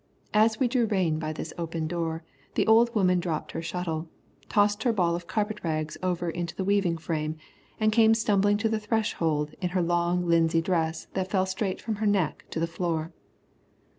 As we drew rein by this open door, the old woman dropped her shuttle, tossed her ball of carpet rags over into the weaving frame, and came stumbling to the threshold in her long linsey dress that fell straight from her neck to the floor.